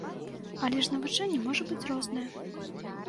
Але ж навучанне можа быць рознае.